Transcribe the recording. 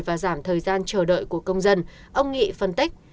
và giảm thời gian chờ đợi của công dân ông nghị phân tích